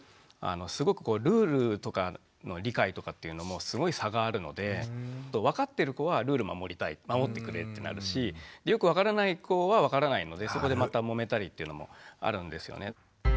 すごくこうルールとかの理解とかっていうのもすごい差があるので分かってる子はルール守りたい守ってくれってなるしよく分からない子は分からないのでそこでまたもめたりっていうのもあるんですよね。